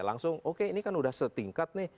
langsung oke ini kan udah setingkat nih